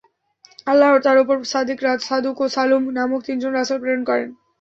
আল্লাহ তার প্রতি সাদিক, সাদূক ও শালুম নামক তিনজন রাসূল প্রেরণ করেন।